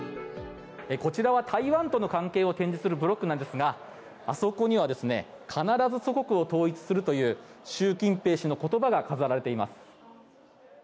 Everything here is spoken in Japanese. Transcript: こちらは台湾との関係を展示するブロックなんですがあそこには「必ず祖国を統一する」という習近平氏の言葉が飾られています。